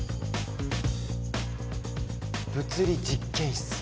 物理実験室。